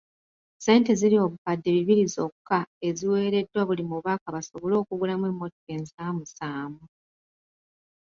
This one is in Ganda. Ssente ziri obukadde bibiri zokka eziweereddwa buli mubaka basobole okugulamu emmotoka ensaamusaamu.